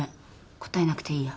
答えなくていいや。